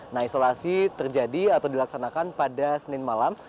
nah isolasi terjadi atau dilaksanakan pada senin malam